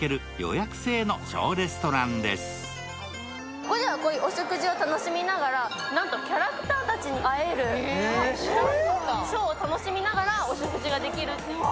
ここではお食事を楽しみながらなんとキャラクターに会える、ショーを楽しみながらお食事ができるという。